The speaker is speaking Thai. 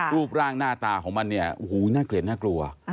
รูปร่างหน้าตาของมันน่าเกลียดน่ากลัว